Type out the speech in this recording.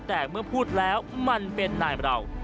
แต่เมื่อพูดแล้วมันเป็นนายเรา